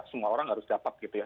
semua orang harus dapat gitu ya